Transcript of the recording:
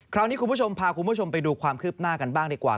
คุณผู้ชมพาคุณผู้ชมไปดูความคืบหน้ากันบ้างดีกว่า